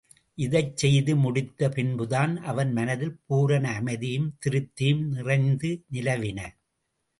இதைச் செய்து முடித்த பின்புதான் அவன் மனத்தில் பூரண அமைதியும் திருப்தியும் நிறைந்து நிலவின.